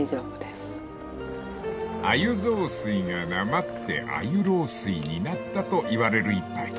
［鮎雑炊がなまって鮎ろうすいになったといわれる一杯］